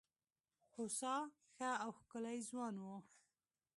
هوسا ښه او ښکلی ځوان وو.